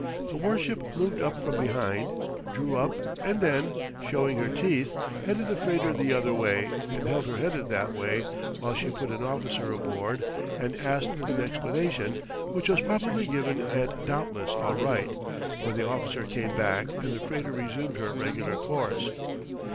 The war ship moved up from behind, drew up, and then, showing her teeth, headed the freighter the other way and held her headed that way while she put an officer aboard and asked an explanation, which was probably given and doubtless all right, for the officer came back and the freighter resumed her regular course.